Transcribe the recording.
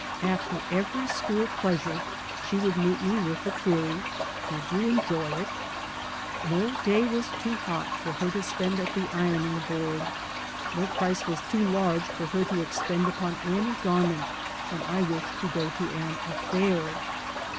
After every school pleasure she would meet me with the query: " Did you enjoy it? " No day was too hot for her to spend at the ironing board; no 3 by Google MY MOTHER AND I price was too large for her to expend upon any garment when I wished to go to an " affair."